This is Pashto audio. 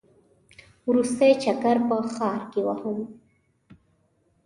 وروستی چکر په ښار کې وهم.